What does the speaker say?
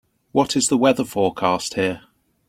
What is the weather forecast here